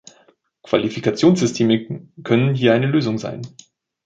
Qualifikationssysteme können hier eine Lösung sein.